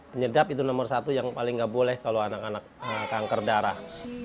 penyedap itu nomor satu yang paling nggak boleh kalau anak anak kanker darah